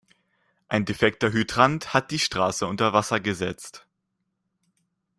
Ein defekter Hydrant hat die Straße unter Wasser gesetzt.